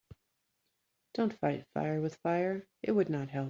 Don‘t fight fire with fire, it would not help.